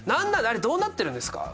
あれどうなってるんですか？